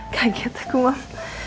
gaget aku mam